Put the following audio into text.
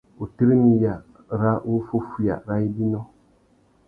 Wutirimiya râ wuffúffüiya râ ibinô.